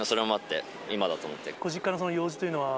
ご実家のその用事というのは。